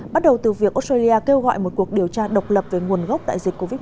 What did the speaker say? bắt đầu từ việc australia kêu gọi một cuộc điều tra độc lập về nguồn gốc tại dịch covid một mươi chín